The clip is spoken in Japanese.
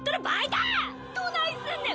どないすんねん！